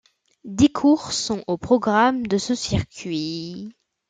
Dix courses sont au programme de ce circuit.